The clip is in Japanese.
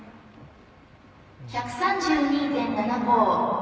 １３２．７５。